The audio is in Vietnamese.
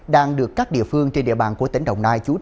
đang được các địa phương trên địa bàn của tỉnh đồng nai chú trọng